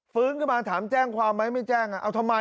ฟื้นขึ้นมาถามแจ้งความไหมไม่แจ้งเอาทำไม